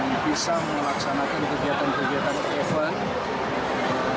yang bisa melaksanakan kegiatan kegiatan event